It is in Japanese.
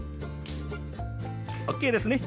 ＯＫですね。